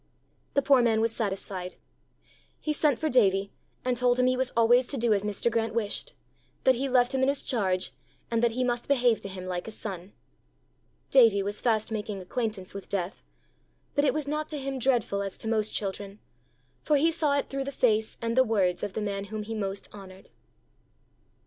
The poor man was satisfied. He sent for Davie, and told him he was always to do as Mr. Grant wished, that he left him in his charge, and that he must behave to him like a son. Davie was fast making acquaintance with death but it was not to him dreadful as to most children, for he saw it through the face and words of the man whom he most honoured.